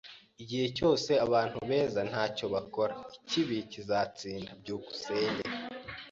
Igihe cyose abantu beza ntacyo bakora, ikibi kizatsinda. byukusenge